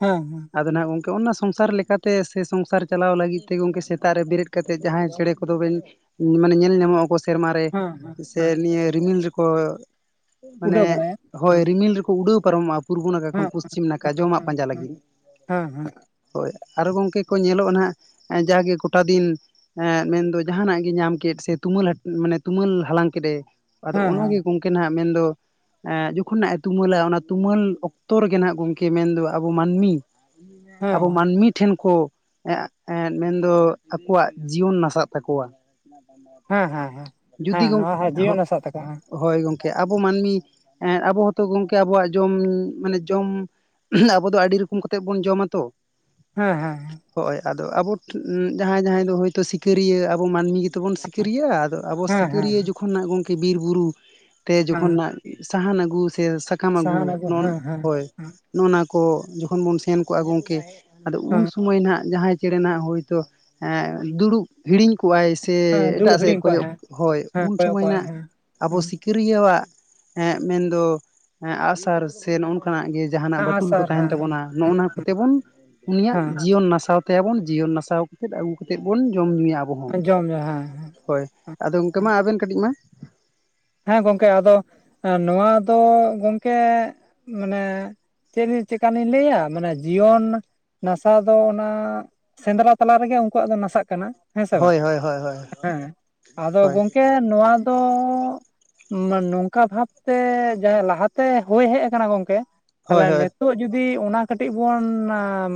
ᱦᱚᱸ ᱦᱚᱸ ᱟᱫᱚ ᱱᱟᱦᱜ ᱜᱚᱝᱠᱮ ᱚᱱᱟ ᱥᱚᱝᱥᱟᱨ ᱞᱮᱠᱟᱛᱮ ᱛᱮ ᱥᱮ ᱥᱚᱝᱥᱟᱨ ᱪᱟᱞᱟᱣ ᱞᱟᱹᱜᱤᱫ ᱛᱮ ᱜᱚᱝᱠᱮ ᱥᱮᱛᱟᱜ ᱨᱮ ᱵᱮᱨᱮᱫ ᱠᱟᱛᱮᱫ ᱡᱟᱦᱟᱸᱭ ᱪᱮᱬᱮ ᱠᱚᱫᱚ ᱵᱮᱱ ᱢᱟᱱᱮ ᱧᱮᱞ ᱧᱟᱢᱚᱜ ᱟᱠᱚ ᱥᱮᱨᱢᱟ ᱨᱮ ᱦᱮᱸ ᱦᱮᱸ ᱥᱮ ᱦᱮᱸ ᱱᱤᱭᱟᱹ ᱨᱤᱢᱤᱞ ᱨᱮᱠᱚ ᱢᱟᱱᱮ ᱩᱰᱟᱹᱣ ᱵᱟᱲᱟᱭᱟ ᱦᱳᱭ ᱦᱮᱸ ᱨᱤᱢᱤᱞ ᱨᱮᱠᱚ ᱩᱰᱟᱹᱣ ᱯᱟᱨᱚᱢᱚᱜᱼᱟ ᱯᱩᱨᱵᱚ ᱱᱟᱠᱷᱟ ᱠᱷᱚᱱ ᱯᱚᱥᱪᱤᱢ ᱱᱟᱠᱷᱟ ᱡᱚᱢᱟᱜ ᱯᱟᱸᱡᱟ ᱞᱟᱜᱤᱱ ᱦᱚᱸᱦᱚᱸ ᱟᱨᱚ ᱜᱚᱢᱠᱮ ᱠᱚ ᱧᱮᱞᱚᱜᱼᱟ ᱱᱟᱸᱦᱜ ᱡᱟᱜᱮ ᱠᱚᱴᱟ ᱫᱤᱱ ᱮᱸᱜ ᱢᱮᱱᱫᱚ ᱡᱟᱦᱟᱱᱟᱜ ᱜᱮ ᱧᱟᱢ ᱠᱮᱫ ᱥᱮ ᱛᱩᱢᱟᱹᱞ ᱢᱟᱱᱮ ᱛᱩᱢᱟᱹᱞ ᱦᱟᱞᱟᱝ ᱠᱮᱫ ᱮ ᱟᱫᱚ ᱦᱮᱸ ᱚᱱᱟᱜᱮ ᱜᱚᱢᱠᱮ ᱱᱟᱦᱜ ᱢᱮᱱᱫᱚ ᱡᱚᱠᱷᱚᱱ ᱱᱟᱦᱜ ᱮ ᱛᱩᱢᱟᱹᱞᱟ ᱚᱱᱟ ᱛᱩᱢᱟᱹᱞ ᱚᱠᱛᱚ ᱨᱮᱜᱮ ᱱᱟᱦᱜ ᱜᱚᱢᱠᱮ ᱢᱮᱱᱫᱚ ᱟᱵᱚ ᱢᱟᱱᱢᱤ ᱟᱵᱚ ᱢᱟᱹᱱᱢᱤ ᱴᱷᱮᱱ ᱠᱚ ᱮ ᱢᱮᱱ ᱫᱚ ᱟᱠᱚᱣᱟᱜ ᱡᱤᱭᱚᱱ ᱱᱟᱥᱟᱜ ᱛᱟᱠᱚᱣᱟ ᱦᱮᱸ ᱦᱮᱸ ᱦᱮᱸ ᱡᱩᱫᱤ ᱦᱮᱸ ᱜᱚᱝ ᱱᱚᱣᱟ ᱦᱚᱸ ᱡᱤᱭᱚᱱ ᱦᱟᱥᱟ ᱛᱟᱠᱚ ᱦᱮᱸ ᱦᱳᱭ ᱜᱚᱝᱠᱮ ᱟᱵᱚ ᱢᱟᱹᱱᱢᱤ ᱮᱸ ᱟᱵᱚ ᱦᱚᱸᱛᱚ ᱜᱚᱢᱠᱮ ᱟᱵᱚᱣᱟᱜ ᱡᱚᱢ ᱢᱟᱱᱮ ᱡᱚᱢ ᱟᱵᱚ ᱫᱚ ᱟᱹᱰᱤ ᱨᱚᱠᱚᱢ ᱠᱟᱛᱮᱫ ᱵᱚᱱ ᱡᱚᱢᱟ ᱛᱚ ᱦᱮᱸ ᱦᱮᱸ ᱦᱚᱸᱜᱼᱚᱭ ᱟᱫᱚ ᱟᱵᱚ ᱡᱟᱦᱟᱸᱭ ᱡᱟᱦᱟᱸᱭ ᱫᱚ ᱦᱳᱭᱛᱚ ᱥᱤᱠᱟᱹᱨᱤᱭᱟᱹ ᱟᱵᱚ ᱢᱟᱹᱱᱢᱤ ᱜᱮ ᱛᱚ ᱵᱚᱱ ᱥᱤᱠᱟᱹᱨᱤᱭᱟᱹᱜᱼᱟ ᱟᱫᱚ ᱟᱵᱚ ᱦᱮᱸ ᱦᱮᱸ ᱥᱤᱠᱟᱹᱨᱤᱭᱟᱹ ᱡᱚᱠᱷᱚᱱ ᱱᱟᱦᱜ ᱜᱚᱢᱠᱮ ᱵᱤᱨ ᱵᱩᱨᱩ ᱛᱮ ᱦᱮᱸ ᱡᱚᱠᱷᱚᱱ ᱱᱟᱦᱜ ᱥᱟᱦᱟᱱ ᱟᱹᱜᱩ ᱥᱮ ᱥᱟᱠᱟᱢ ᱟᱹᱜᱩ ᱥᱟᱦᱟᱱ ᱱᱚᱜ-ᱚ ᱱᱚᱜ ᱦᱮᱸ ᱦᱮᱸ ᱦᱳᱭ ᱦᱮᱸ ᱱᱚᱜᱼᱚ ᱱᱟ ᱠᱚ ᱡᱚᱠᱷᱚᱱ ᱵᱚᱱ ᱥᱮᱱ ᱠᱚᱜ ᱟ ᱜᱟᱝᱠᱮ ᱟᱫᱚ ᱩᱱ ᱥᱩᱢᱟᱹᱭ ᱱᱟᱦᱜ ᱡᱟᱦᱟᱸᱭ ᱪᱮᱸᱬᱮ ᱱᱟᱦᱜ ᱦᱳᱭᱛᱚ ᱫᱩᱲᱩᱵ ᱦᱤᱲᱤᱧ ᱠᱚ ᱠᱚᱜᱼᱟᱭ ᱥᱮ ᱦᱮᱸ ᱫᱷᱩᱲ ᱮᱴᱟᱜ ᱥᱮᱫ ᱮ ᱦᱤᱲᱤᱧ ᱠᱚᱣᱟᱭ ᱠᱚᱭᱚᱜ ᱦᱮᱸ ᱦᱚᱭ ᱦᱮᱸ ᱩᱱ ᱠᱚᱭᱚᱜ ᱥᱚᱢᱚᱭ ᱠᱚᱣᱟᱭ ᱱᱟᱦᱜ ᱦᱮᱸ ᱟᱵᱚ ᱦᱮᱸ ᱥᱤᱠᱟᱹᱨᱤᱭᱟᱹᱣᱟᱜ ᱢᱮᱱᱫᱚ ᱟᱸᱜᱥᱟᱨ ᱥᱮ ᱱᱚᱜᱼᱚ ᱱᱚᱝᱠᱟᱱᱼᱟᱜ ᱜᱮ ᱡᱟᱸᱦᱟᱱᱟᱜ ᱵᱟᱴᱩᱞ ᱠᱚ ᱟᱸᱜᱼᱥᱟᱨ ᱛᱟᱦᱮᱱ ᱦᱮᱸ ᱦᱮᱸ ᱛᱟᱵᱚᱱᱟ ᱱᱚᱜᱼᱱᱟ ᱠᱚᱛᱮ ᱵᱚᱱ ᱩᱱᱤᱭᱟᱜ ᱡᱤᱭᱚᱱ ᱱᱟᱥᱟᱣ ᱛᱟᱭᱟ ᱵᱚᱱ ᱡᱤᱭᱚᱱ ᱱᱟᱥᱟᱣ ᱠᱟᱛᱮᱫ ᱟᱹᱜᱩ ᱠᱟᱛᱮᱫ ᱵᱚᱱ ᱡᱚᱢ ᱧᱩᱭᱟ ᱟᱵᱚ ᱦᱚᱸ ᱟᱧᱡᱚᱢ ᱢᱮ ᱦᱮᱸ ᱦᱳᱭ ᱟᱫᱚ ᱜᱚᱢᱠᱮ ᱢᱟ ᱟᱵᱤᱱ ᱠᱟᱹᱴᱤᱡ ᱢᱟ ᱦᱮᱸ ᱜᱚᱝᱠᱮ ᱟᱫᱚ ᱱᱚᱣᱟ ᱫᱚ ᱜᱚᱝᱠᱮ ᱢᱟᱱᱮ ᱪᱮᱫ ᱞᱤᱧ ᱪᱮᱫᱠᱟᱱ ᱞᱤᱧ ᱞᱟᱹᱭ ᱟ ᱢᱟᱱᱮ ᱡᱤᱭᱚᱱ ᱱᱟᱥᱟᱶ ᱫᱚ ᱚᱱᱟ ᱥᱮᱸᱫᱽᱨᱟ ᱛᱟᱞᱟ ᱨᱮᱜᱮ ᱩᱱᱠᱩᱣᱟᱜ ᱫᱚ ᱱᱟᱥᱟᱜ ᱠᱟᱱᱟ ᱦᱮᱸ ᱥᱮ ᱵᱟᱝ ᱦᱳᱭ ᱦᱳᱭ ᱦᱳᱭ ᱦᱳᱭ ᱦᱮᱸ ᱟᱫᱚ ᱦᱳᱭ ᱜᱚᱝᱠᱮ ᱱᱚᱣᱟ ᱫᱚ ᱢᱟᱹᱱ ᱱᱚᱝᱠᱟ ᱵᱷᱟᱵᱛᱮ ᱡᱟᱦᱟᱸ ᱞᱟᱦᱟ ᱛᱮ ᱦᱳᱭ ᱦᱮᱡ ᱟᱠᱟᱱᱟ ᱜᱚᱢᱠᱮ ᱦᱳᱭ ᱛᱟᱞᱦᱮ ᱱᱮᱛ ᱱᱤᱛᱚᱜ ᱡᱩᱫᱤ ᱚᱱᱟ ᱠᱟᱹᱴᱤᱡ ᱵᱚᱱ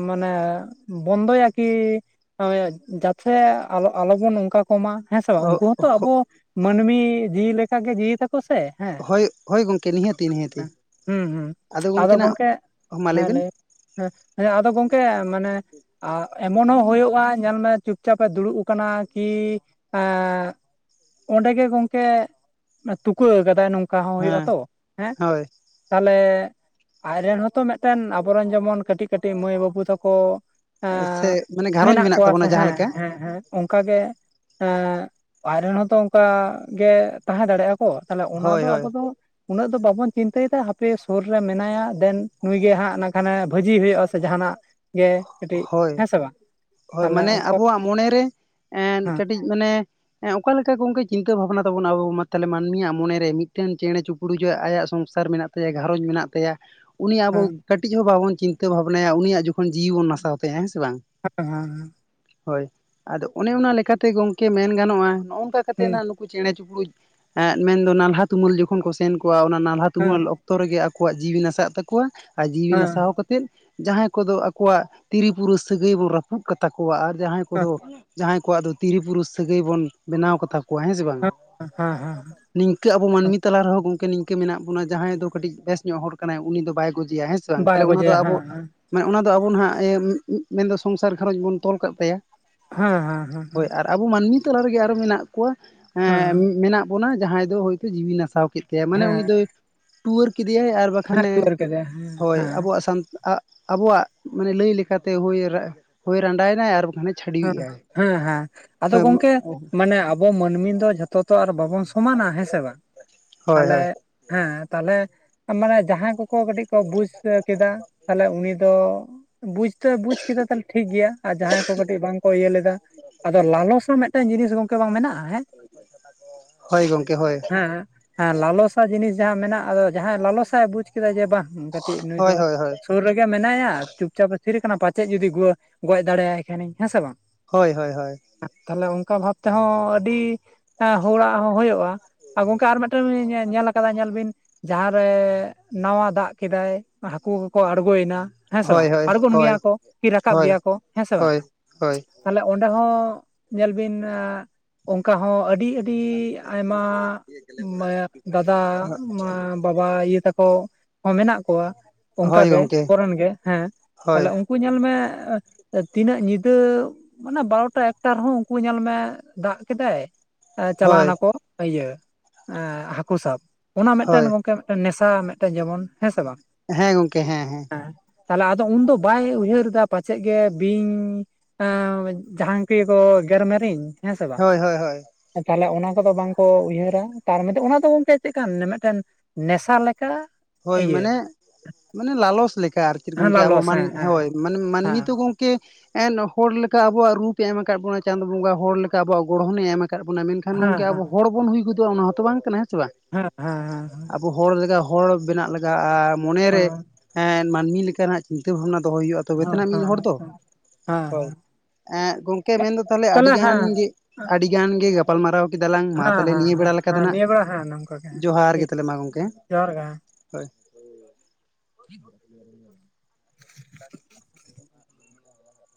ᱢᱟᱱᱮ ᱵᱚᱱᱫᱚᱭᱟ ᱠᱤ ᱡᱟᱛᱷᱮ ᱟᱞᱚ ᱵᱚᱱ ᱱᱚᱝᱠᱟ ᱠᱚᱢᱟ ᱦᱮᱸ ᱥᱮ ᱵᱟᱝ ᱦᱳᱭ ᱩᱱᱠᱩ ᱦᱚᱸᱛᱚ ᱟᱵᱚ ᱢᱟᱹᱱᱢᱤ ᱡᱤᱣᱤ ᱞᱮᱠᱟ ᱜᱮ ᱡᱤᱣᱤ ᱛᱟᱠᱚ ᱥᱮ ᱦᱮᱸ ᱦᱳᱭ ᱦᱳᱭ ᱜᱚᱝᱠᱮ ᱱᱤᱦᱟᱹᱛᱤ ᱱᱤᱦᱟᱹᱛᱤ ᱦᱩᱸ ᱦᱩᱸ ᱟᱫᱚ ᱜᱚᱝᱠᱮ ᱱᱟᱜ ᱢᱟ ᱦᱮᱸ ᱞᱟᱹᱭᱵᱮᱱ ᱞᱟᱹᱭ ᱦᱮᱸ ᱦᱮᱸ ᱟᱫᱚ ᱜᱚᱝᱠᱮ ᱢᱟᱱᱮ ᱟᱨ ᱮᱢᱚᱱ ᱦᱚᱸ ᱦᱩᱭᱩᱜᱼᱟ ᱧᱮᱞ ᱢᱮ ᱪᱩᱯᱪᱟᱯ ᱮ ᱫᱩᱲᱩᱵ ᱠᱟᱱᱟ ᱠᱤ ᱦᱮᱸ ᱚᱸᱰᱮ ᱜᱮ ᱜᱚᱝᱠᱮ ᱛᱩᱠᱟᱹ ᱠᱟᱫᱟᱭ ᱱᱚᱝᱠᱟ ᱦᱚᱸ ᱦᱩᱭᱩᱜ ᱟ, ᱦᱮᱸ ᱛᱚ ᱦᱮᱸ᱾ ᱦᱳᱭ ᱛᱟᱦᱚᱞᱮ ᱟᱡᱨᱮᱱ ᱦᱚᱸᱛᱚ ᱢᱤᱫᱴᱮᱝ ᱟᱵᱚᱨᱮᱱ ᱡᱮᱢᱚᱱ ᱠᱟᱹᱴᱤᱡ ᱠᱟᱹᱴᱤᱡ ᱢᱟᱹᱭ ᱵᱟᱹᱵᱩ ᱛᱟᱠᱚ ᱮ ᱥᱮ ᱢᱟᱱᱮ ᱜᱷᱟᱨᱚᱸᱡᱽ ᱢᱮᱱᱟᱜ ᱠᱚᱣᱟ ᱛᱟᱵᱚᱱᱟ ᱥᱮ ᱡᱟᱦᱟᱸ ᱦᱮᱸ ᱞᱮᱠᱟ ᱦᱮᱸ ᱦᱮᱸ ᱚᱱᱠᱟ ᱜᱮ ᱟᱡ ᱨᱮᱱ ᱦᱚᱸᱛᱚ ᱚᱱᱠᱟ ᱜᱮ ᱛᱟᱦᱮᱸ ᱫᱟᱲᱮᱭᱟᱜᱼᱟ ᱠᱚ ᱛᱟᱦᱞᱮ ᱚᱱᱟ ᱦᱳᱭ ᱫᱚ ᱦᱳᱭ ᱟᱵᱚ ᱫᱚ ᱩᱱᱟᱹᱜ ᱫᱚ ᱵᱟᱵᱚᱱ ᱪᱤᱱᱛᱟᱹᱭ ᱫᱟ ᱦᱟᱯᱮ ᱥᱩᱨ ᱨᱮ ᱢᱮᱱᱟᱭᱟ ᱫᱮᱱ ᱱᱩᱭ ᱜᱮ ᱦᱟᱸᱜ ᱠᱷᱟᱱᱮ ᱵᱷᱟᱹᱡᱤᱭ ᱦᱩᱭᱩᱜᱼᱟ ᱥᱮ ᱡᱟᱦᱟᱱᱟᱜ ᱜᱮ ᱠᱟᱹᱴᱤᱡ ᱦᱳᱭ ᱦᱮᱸ ᱥᱮ ᱵᱟᱝ ᱦᱳᱭ ᱛᱟᱦᱚᱞᱮ ᱢᱟᱱᱮ ᱩᱱᱠᱩ ᱟᱵᱚᱣᱟᱜ ᱢᱚᱱᱮ ᱨᱮ ᱮᱸ ᱦᱮᱸ ᱠᱟᱹᱴᱤᱡ ᱢᱟᱱᱮ ᱚᱠᱟ ᱞᱮᱠᱟ ᱜᱚᱝᱠᱮ ᱪᱤᱱ ᱪᱤᱱᱛᱟᱹ ᱵᱷᱟᱵᱱᱟ ᱛᱟᱵᱚᱱᱟ ᱟᱵᱩ ᱛᱟᱞᱮ ᱢᱟᱹᱱᱢᱤᱭ ᱢᱚᱱᱮ ᱨᱮ ᱢᱤᱫᱴᱟᱝ ᱪᱮᱬᱮ ᱪᱩᱯᱨᱩ ᱡᱮ ᱟᱭᱟᱜ ᱥᱚᱝᱥᱟᱨ ᱢᱮᱱᱟᱜ ᱛᱟᱭᱟ ᱛᱟᱭᱟ ᱜᱷᱟᱨᱚᱸᱡᱽ ᱢᱮᱱᱟᱜ ᱛᱟᱭᱟ ᱩᱱᱤ ᱟᱵᱚ ᱦᱮᱸ ᱠᱟᱹᱴᱤᱡ ᱦᱚᱸ ᱵᱟᱵᱚᱱ ᱪᱤᱱᱛᱟᱹ ᱵᱷᱟᱵᱽᱱᱟᱭᱟ ᱩᱱᱤᱭᱟᱜ ᱡᱚᱠᱦᱚᱱ ᱡᱤᱣᱤ ᱵᱩᱱ ᱱᱟᱥᱟᱣ ᱛᱟᱭᱟ ᱦᱮᱸ ᱥᱮ ᱵᱟᱝ ᱦᱮᱸ ᱦᱮᱸ ᱦᱳᱭ ᱟᱫᱚ ᱚᱱᱮ ᱚᱱᱟ ᱞᱮᱠᱟᱛᱮ ᱜᱚᱝᱠᱮ ᱢᱮᱱ ᱜᱟᱱᱚᱜᱼᱟ ᱱᱚᱝᱠᱟ ᱠᱟᱛᱮ ᱦᱮᱸ ᱦᱟᱸ ᱠᱩ ᱪᱮᱬᱮ ᱪᱤᱯᱩᱲᱳᱡ ᱮᱸ ᱢᱮᱱᱫᱚ ᱱᱟᱞᱦᱟ ᱛᱩᱢᱞ ᱡᱚᱠᱷᱚᱱ ᱠᱚ ᱥᱮᱱ ᱠᱚᱣᱟ ᱚᱱᱟ ᱱᱟᱞᱦᱟ ᱛᱩᱢᱟᱹᱞ ᱚᱠ ᱚᱠᱛᱚ ᱨᱮᱜᱮ ᱟᱠᱚᱣᱟᱜ ᱡᱤᱣᱤ ᱱᱟᱥᱟᱣᱟᱜ ᱛᱟᱠᱚᱣᱟ ᱟᱨ ᱡᱤᱣᱤ ᱦᱮᱸ ᱱᱟᱥᱟᱣ ᱠᱟᱛᱮᱫ ᱡᱟᱦᱟᱸᱭ ᱠᱚᱫᱚ ᱟᱠᱚᱣᱟᱜ ᱛᱤᱨᱤ ᱯᱩᱨᱟᱹ ᱥᱟᱹᱜᱟᱹᱭ ᱵᱩ ᱨᱟᱹᱯᱩᱫ ᱠᱟᱛᱟ ᱠᱚᱣᱟ ᱟᱨ ᱡᱟᱦᱟᱸᱭ ᱦᱮᱸ ᱠᱚᱫᱚ ᱡᱟᱦᱟᱸᱭ ᱠᱚᱣᱟᱜ ᱫᱚ ᱛᱤᱨᱤ ᱯᱩᱨᱩᱥ ᱥᱟᱹᱜᱟᱹᱭ ᱵᱚᱱ ᱵᱮᱱᱟᱣ ᱠᱟᱛᱟ ᱠᱚᱣᱟ ᱦᱮᱸ ᱥᱮ ᱵᱟᱝ? ᱦᱮᱸ ᱦᱮᱸ ᱱᱤᱝᱠᱟᱹ ᱟᱵᱚ ᱢᱟᱹᱱᱢᱤ ᱛᱟᱞᱟ ᱨᱮᱦᱚᱸ ᱜᱚᱝᱠᱮ ᱱᱤᱝᱠᱟᱹ ᱢᱮᱱᱟᱜ ᱵᱚᱱᱟᱹ ᱡᱟᱦᱟᱸᱭ ᱫᱚ ᱠᱟᱹᱴᱤᱡ ᱵᱮᱥ ᱧᱚᱜ ᱦᱚᱲ ᱠᱟᱱᱟᱭ ᱩᱱᱤ ᱫᱚ ᱵᱟᱭ ᱜᱚᱡᱮᱭᱟ ᱦᱮᱸ ᱥᱮ? ᱥᱮ ᱵᱟᱝ ᱵᱟᱭ ᱛᱟᱦᱚᱞᱮ ᱚᱱᱟ ᱫᱚ ᱜᱚᱡᱮᱭᱟ ᱦᱮᱸ ᱟᱵᱚ ᱦᱮᱸ ᱢᱟᱱᱮ ᱚᱱᱟ ᱫᱚ ᱟᱵᱚ ᱱᱟᱦᱟᱜ ᱢᱮᱱᱫᱚ ᱥᱚᱝᱥᱟᱨ ᱜᱷᱟᱨᱚᱸᱡᱽ ᱵᱚᱱ ᱛᱚᱞ ᱠᱟᱜ ᱛᱟᱭᱟᱹ ᱦᱮᱸᱼᱦᱮᱸ ᱦᱮᱸᱼᱦᱮᱸ ᱦᱮᱸᱼᱦᱮᱸ ᱟᱵᱚ ᱢᱟᱹᱱᱢᱤ ᱛᱟᱞᱟ ᱨᱮᱜᱮ ᱟᱨᱚ ᱢᱮᱱᱟᱜ ᱠᱚᱣᱟ ᱦᱮᱸ ᱢᱮᱱᱟᱜ ᱵᱚᱱᱟ ᱡᱟᱦᱟᱸᱭ ᱫᱚ ᱦᱚᱭᱛᱳ ᱡᱤᱣᱤᱭ ᱱᱟᱥᱟᱣ ᱠᱮᱫ ᱛᱟᱭᱟ ᱠᱮᱫᱮᱭᱟᱭ ᱢᱟᱱᱮ ᱦᱮᱸ ᱩᱱᱤ ᱦᱮᱸ ᱫᱚᱭ ᱴᱩᱣᱟᱹᱨ ᱠᱮᱫᱮᱭᱟᱭ ᱟᱨ ᱦᱮᱸ ᱵᱟᱠᱷᱟᱱᱮ ᱴᱩᱣᱟᱹᱨ ᱠᱮᱫᱮᱭᱟ ᱦᱮᱸ ᱦᱳᱭ ᱦᱮᱸ ᱟᱵᱚᱣᱟᱜ ᱥᱟᱱ-ᱟ ᱟᱵᱚᱣᱟᱜ ᱢᱟᱱᱮ ᱞᱟᱹᱭ ᱞᱮᱠᱟ ᱛᱮ ᱦᱩᱭ ᱨᱟᱸᱰᱟᱭ ᱱᱟᱭ ᱟᱨ ᱵᱟᱠᱷᱟᱱ ᱮ ᱦᱮᱸ ᱦᱮᱸ ᱟᱫᱚ ᱜᱚᱝᱠᱮ ᱢᱟᱱᱮ ᱟᱵ ᱟᱵᱚ ᱢᱟᱹᱱᱢᱤ ᱫᱚ ᱡᱷᱚᱛᱚ ᱫᱚ ᱟᱨ ᱵᱟᱵᱚᱱ ᱥᱚᱢᱟᱱᱟ ᱦᱮᱸ ᱥᱮ ᱵᱟᱝ ᱦᱳᱭ ᱛᱟᱞᱮ ᱦᱳᱭ ᱦᱮᱸ ᱛᱟᱦᱚᱞᱮ ᱢᱟᱱᱮ ᱡᱟᱦᱟᱸᱭ ᱠᱚ ᱠᱚ ᱠᱟᱹᱴᱤᱡ ᱠᱚ ᱵᱩᱡ ᱠᱮᱫᱟ ᱛᱟᱦᱚᱞᱮ ᱩᱱᱤ ᱫᱚ ᱵᱩᱡ ᱫᱚᱭ ᱵᱩᱡ ᱠᱮᱫᱟ ᱛᱟᱦᱚᱞᱮ ᱴᱷᱤᱠ ᱜᱮᱭᱟ ᱟᱨ ᱡᱟᱦᱟᱸᱭ ᱠᱚ ᱠᱟᱹ ᱵᱟᱝ ᱠᱚ ᱤᱭᱟᱹ ᱞᱮᱫᱟ ᱟᱫᱚ ᱞᱟᱞᱚᱥ ᱦᱚᱸ ᱢᱤᱫᱴᱟᱝ ᱡᱤᱱᱤᱥ ᱜᱚᱢᱠᱮ ᱵᱟᱝ ᱢᱮᱱᱟᱜᱼᱟ ᱦᱮᱸ ᱦᱳᱭ ᱜᱚᱢᱠᱮ ᱦᱳᱭ ᱦᱮᱸ ᱦᱮᱸ ᱞᱟᱞᱚᱥᱟ ᱡᱤᱱᱤᱥ ᱡᱟᱦᱟᱸ ᱢᱮᱱᱟᱜ ᱟᱫᱚ ᱡᱟᱦᱟᱸᱭ ᱞᱟᱞᱚᱥᱟᱜ ᱵᱩᱡᱽ ᱠᱮᱫᱟ ᱡᱮ ᱵᱟᱝ ᱠᱟᱹᱴᱤᱡ ᱱᱩᱭ ᱦᱳᱭ ᱫᱚ ᱦᱳᱭ ᱦᱳᱭ ᱥᱩᱨ ᱨᱮᱜᱮ ᱢᱮᱱᱟᱭᱟ ᱪᱩᱯᱪᱟᱯ ᱮ ᱛᱷᱤᱨ ᱠᱟᱱᱟ ᱯᱟᱪᱮᱫ ᱡᱩᱫᱤ ᱜᱩᱣᱟᱹ ᱜᱚᱡ ᱫᱟᱲᱮᱭᱟᱭ ᱠᱷᱟᱱᱤᱧ ᱦᱮᱸ ᱥᱮ ᱵᱟᱝ ᱦᱳᱭᱻ ᱦᱳᱭ ᱻᱦᱳᱭ᱾ ᱛᱟᱦᱚᱞᱮ ᱚᱱᱠᱟ ᱵᱷᱟᱵ ᱛᱮᱦᱚᱸ ᱟᱹᱰᱤ ᱚᱸ ᱦᱚᱲᱟᱜ ᱦᱚᱸ ᱦᱳᱭᱳᱜᱼᱟ ᱾ ᱟᱨ ᱜᱚᱝᱠᱮ ᱟᱨ ᱢᱤᱫᱴᱮᱱ ᱞᱤᱧ ᱧᱮᱞ ᱟᱠᱟᱫᱟ ᱧᱮᱞ ᱵᱤᱱ ᱡᱟᱸᱦᱟ ᱨᱮ ᱱᱟᱶᱟ ᱫᱟᱜ ᱠᱮᱫᱟᱭ ᱦᱟᱠᱳ ᱠᱚᱠᱚ ᱟᱬᱜᱳᱭᱮᱱᱟ ᱦᱮᱸ ᱥᱮ ᱦᱳᱭ ᱵᱟᱝ ᱦᱳᱭ ᱟᱲᱜᱳᱱ ᱜᱮᱭᱟ ᱦᱳᱭ ᱠᱚ ᱠᱤ ᱨᱟᱠᱟᱵ ᱦᱳᱭ ᱜᱮᱭᱟ ᱠᱚ ᱦᱮᱸ ᱥᱮ ᱵᱟᱝ ᱦᱳᱭ ᱦᱳᱭ ᱛᱟᱦᱚᱞᱮ ᱚᱸᱰᱮ ᱦᱚᱸ ᱧᱮᱞ ᱵᱤᱱ ᱱᱟᱭ ᱚᱝᱠᱟ ᱦᱚᱸ ᱟᱹᱰᱤ ᱟᱹ ᱟᱹᱰᱤ ᱟᱭᱢᱟ ᱢᱟᱭ ᱫᱟᱫᱟ ᱢᱟ ᱵᱟᱵᱟ ᱤᱭᱟᱹ ᱛᱟᱠᱚ ᱦᱚᱸ ᱢᱮᱱᱟᱜ ᱠᱩᱣᱟ ᱚᱱᱠᱟ ᱦᱳᱭ ᱜᱮ ᱜᱚᱝᱠᱮ ᱠᱚᱨᱚᱱ ᱜᱮ ᱦᱮᱸ ᱦᱳᱭ ᱛᱟᱦᱚᱞᱮ ᱩᱱᱠᱩ ᱧᱮᱞ ᱢᱮ ᱛᱤᱱᱟᱹᱜ ᱩᱸ ᱵᱟᱨᱚᱴᱟ ᱮᱠᱴᱟ ᱨᱮᱦᱚᱸ ᱩᱝᱠᱩ ᱧᱮᱞ ᱢᱮ ᱫᱟᱜ ᱠᱮᱫᱟᱭ ᱪᱟᱞᱟᱣ ᱦᱳᱭ ᱱᱟᱠᱚ ᱤᱭᱟᱹ ᱦᱟᱹᱠᱳ ᱥᱟᱵ ᱚᱱᱟ ᱦᱳᱭ ᱢᱤᱫᱴᱮᱱ ᱜᱚᱝᱠᱮ ᱱᱮᱥᱟ ᱢᱮᱜᱴᱮᱱ ᱡᱮᱢᱚᱱ ᱦᱮᱸ ᱥᱮ ᱵᱟᱝ ᱾ ᱦᱮᱸ ᱜᱚᱝᱠᱮ ᱦᱮᱸᱻ ᱦᱮᱸ᱾ ᱦᱮᱸ ᱛᱟᱦᱚᱞᱮ ᱟᱫᱚ ᱩᱱᱫᱚ ᱵᱟᱭ ᱩᱭᱦᱟᱹᱨ ᱮᱫᱟ ᱯᱟᱪᱮᱫ ᱜᱮ ᱵᱤᱧ ᱮᱸ ᱡᱟᱸᱦᱟᱱ ᱪᱤᱞᱤ ᱠᱚ ᱜᱮᱨ ᱢᱮᱨᱤᱧ ᱦᱮᱸ ᱥᱮ ᱵᱟᱝ ᱦᱳᱭ ᱦᱳᱭ ᱦᱳᱭ ᱛᱟᱦᱚᱞᱮ ᱚᱱᱟ ᱠᱚᱫᱚ ᱵᱟᱝᱠᱚ ᱩᱭᱦᱟᱹᱨᱟ ᱛᱟᱨ ᱢᱚᱫᱽᱫᱷᱮ ᱚᱱᱟ ᱫᱚ ᱜᱚᱝᱠᱮ ᱪᱮᱫ ᱠᱟᱱ ᱢᱤᱫ ᱴᱮᱱ ᱱᱮᱥᱟᱜ ᱞᱮᱠᱟ ᱦᱳᱭ ᱤᱭᱟᱹ ᱢᱟᱱᱮ ᱢᱟᱱᱮ ᱞᱟᱞᱚᱥ ᱞᱮᱠᱟ ᱟᱨ ᱠᱤ ᱦᱮᱸ ᱜᱚᱝᱠᱮ ᱟᱵᱚ ᱞᱟᱞᱚᱥ ᱦᱮᱸ ᱦᱳᱭ ᱦᱮᱸ ᱢᱟᱱᱮ ᱦᱮᱸ ᱢᱟᱹᱱᱢᱤ ᱛᱚ ᱜᱚᱝᱠᱮ ᱠᱤ ᱮᱱ ᱦᱚᱲ ᱞᱮᱠᱟ ᱟᱵᱚᱣᱟᱜ ᱨᱩᱯᱮ ᱮᱢ ᱟᱠᱟᱫ ᱵᱚᱱᱟ ᱪᱟᱸᱫᱚ ᱵᱚᱸᱜᱟ ᱦᱚᱲ ᱞᱮᱠᱟ ᱟᱵᱚᱣᱟᱜ ᱜᱚᱲᱦᱚᱱᱮ ᱮᱢ ᱟᱠᱟᱫ ᱵᱚᱱᱟ ᱢᱮᱱᱠᱷᱟᱱ ᱠᱷᱟᱱ ᱦᱮᱸ ᱜᱚᱝᱠᱮ ᱦᱮᱸ ᱟᱵᱚ ᱦᱚᱲ ᱵᱚᱱ ᱦᱩᱭ ᱜᱚᱫᱚᱜᱼᱟ ᱚᱱᱟ ᱦᱚᱸᱛᱚ ᱵᱟᱝ ᱠᱟᱱᱟ ᱦᱮᱸ ᱥᱮ ᱵᱟᱝ? ᱦᱮᱸ ᱦᱮᱸ ᱦᱮᱸ ᱦᱮᱸ ᱟᱵᱚ ᱦᱚᱲ ᱞᱮᱠᱟ ᱦᱚᱲ ᱵᱮᱱᱟᱜ ᱞᱟᱜᱟᱜ ᱟ ᱢᱚᱱᱮᱨᱮ ᱮᱸ ᱢᱟᱹᱱᱢᱤ ᱞᱮᱠᱟᱱᱟᱜ ᱪᱤᱱᱛᱟᱹ ᱵᱷᱟᱵᱽᱱᱟ ᱫᱚᱦᱚᱭ ᱦᱩᱭᱩᱜᱼᱟ ᱛᱚᱵᱮ ᱛᱚ ᱦᱮᱸ ᱟᱱᱤᱡ ᱢᱤᱫ ᱦᱚᱲ ᱦᱮᱸ ᱦᱮᱸ ᱫᱚ ᱦᱮᱸ ᱦᱳᱭ ᱮᱸ ᱜᱚᱝᱠᱮ ᱢᱮᱱ ᱫᱚ ᱛᱟᱦᱚᱞᱮ ᱟᱹᱰᱤ ᱜᱟᱱ ᱜᱮ ᱟᱹᱰᱤᱜᱟᱱ ᱜᱮ ᱜᱟᱯ ᱜᱟᱯᱟᱞᱢᱟᱨᱟᱣ ᱠᱮᱫᱟ ᱞᱟᱝ ᱢᱟ ᱦᱮᱸ ᱛᱟᱦᱚᱞᱮ ᱱᱤᱭᱟᱹ ᱦᱮᱸ ᱵᱮᱲᱟ ᱞᱮᱠᱟ ᱫᱚ ᱦᱮᱸ ᱱᱟ ᱱᱤᱭᱟᱹ ᱵᱮᱲᱟ ᱦᱮᱸ ᱱᱚᱝᱠᱟ ᱜᱮ ᱦᱟᱸᱜ ᱦᱮᱸ ᱡᱚᱦᱟᱨ ᱜᱮ ᱴᱷᱤᱠ ᱛᱟᱦᱚᱞᱮ ᱢᱟ ᱜᱚᱢᱠᱮ ᱡᱚᱦᱟᱨ ᱜᱮ [unintelligible] [inaudible]